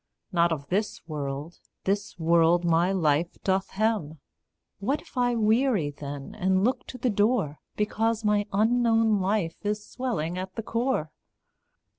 Not of this world, this world my life doth hem; What if I weary, then, and look to the door, Because my unknown life is swelling at the core?